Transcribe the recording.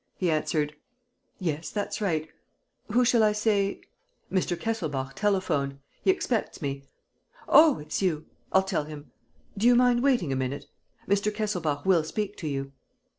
He answered: "Yes, that's right. Who shall I say. ..?" "Mr. Kesselbach telephoned. ... He expects me. ..." "Oh, it's you. ... I'll tell him. ... Do you mind waiting a minute? ... Mr. Kesselbach will speak to you."